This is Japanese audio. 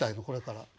これから。